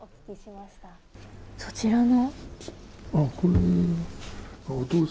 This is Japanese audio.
そちらの。